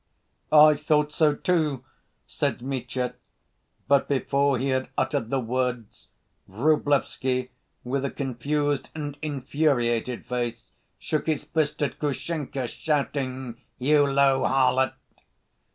"I thought so, too!" said Mitya. But before he had uttered the words, Vrublevsky, with a confused and infuriated face, shook his fist at Grushenka, shouting: "You low harlot!"